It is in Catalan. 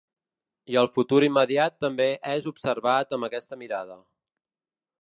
I el futur immediat també és observat amb aquesta mirada.